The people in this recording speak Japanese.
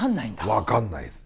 分かんないです。